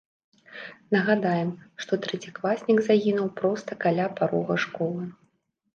Нагадаем, што трэцякласнік загінуў проста каля парога школы.